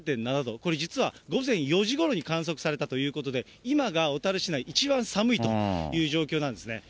これ実は午前４時ごろに観測されたということで、今が小樽市内、一番寒いという状況なんですね。